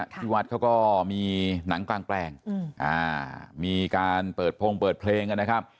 ที่วัดเขาก็มีหนังกลางแปลงมีการเปิดพงเปิดเพลงกันนะครับ